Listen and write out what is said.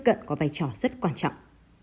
cận có vai trò rất quan trọng